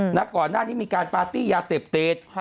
หน้านี้มีการปาร์ตี้ยาเสพเตช